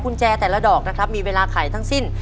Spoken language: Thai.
คุณแจแต่ละดอกนะครับมีเวลาไขทั้งสิ้น